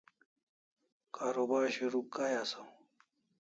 karubar shurukh kai asaw